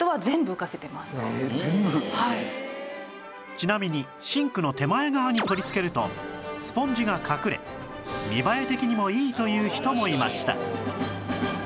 ちなみにシンクの手前側に取りつけるとスポンジが隠れ見栄え的にもいいという人もいました